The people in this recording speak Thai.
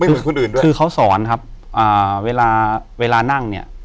เหมือนคนอื่นด้วยคือเขาสอนครับอ่าเวลาเวลานั่งเนี่ย